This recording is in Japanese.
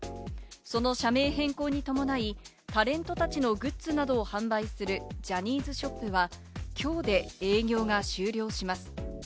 その社名変更に伴い、タレントたちのグッズなどを販売するジャニーズショップは、きょうで営業が終了します。